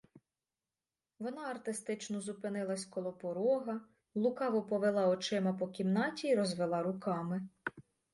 Вона артистично зупинилась коло порога, лукаво повела очима по кімнаті й розвела руками.